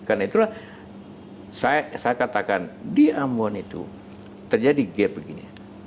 karena itulah saya katakan di ambon itu terjadi gap begini